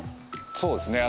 そうですね。